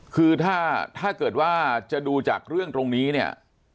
คือถ้าเกิดว่าจะดูจากเรื่องตรงนี้เนี่ย